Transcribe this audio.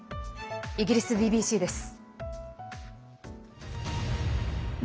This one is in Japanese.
イギリスＢＢＣです。